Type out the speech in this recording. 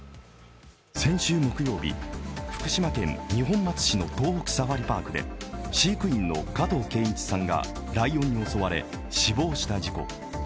先週木曜日、福島県二本松市の東北サファリパークで飼育員の加藤健一さんがライオンに襲われ死亡した事故。